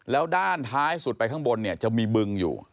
แล้วด้านท้ายสุดไปข้างบนเนี่ยจะมีบึงอยู่